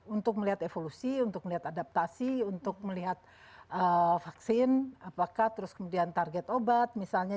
untuk melihat evolusi untuk melihat adaptasi untuk melihat vaksin apakah terus kemudian target obat misalnya